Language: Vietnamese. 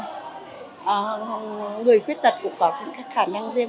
người khuyết tật cũng có những cái khả năng riêng